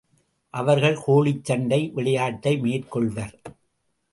அவர்கள் கோழிச் சண்டை விளையாட்டை மேற்கொள்வர்.